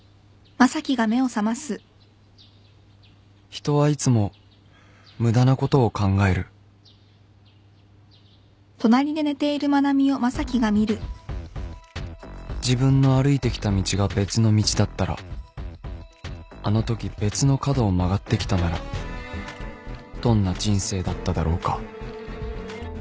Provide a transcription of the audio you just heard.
人はいつも無駄なことを考える自分の歩いてきた道が別の道だったらあのとき別の角を曲がってきたならどんな人生だっただろうか